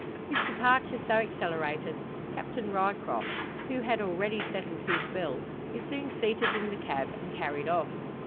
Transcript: His departure so accelerated, Captain Ryecroft who had already settled his bill is soon seated in the cab, and carried off.